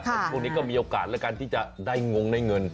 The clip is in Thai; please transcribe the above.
แต่ช่วงนี้ก็มีโอกาสแล้วกันที่จะได้งงได้เงิน